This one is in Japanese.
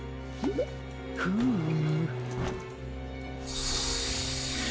フーム。